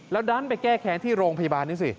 แล้วดันไปแก้แค้นที่โรงพยาบาลนี่สิ